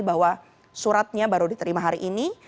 bahwa suratnya baru diterima hari ini